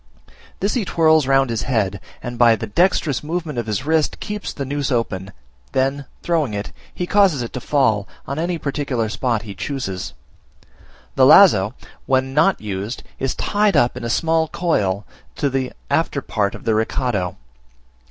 This he whirls round his head, and by the dexterous movement of his wrist keeps the noose open; then, throwing it, he causes it to fall on any particular spot he chooses. The lazo, when not used, is tied up in a small coil to the after part of the recado.